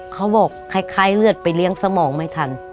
เขาบอกคล้ายเลือดไปเลี้ยงสมองไม่ทัน